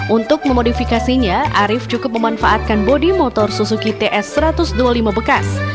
untuk memodifikasinya arief cukup memanfaatkan bodi motor suzuki ts satu ratus dua puluh lima bekas